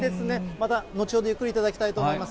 また後ほどゆっくり頂きたいと思います。